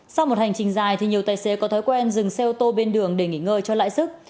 sau một hành trình dài thì nhiều tài xế có thói quen dừng xe ô tô bên đường để nghỉ ngơi cho lãi sức